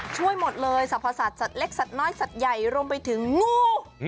ช่วยหมดเลยสรรพสัตว์เล็กสัตว์น้อยสัตว์ใหญ่รวมไปถึงงู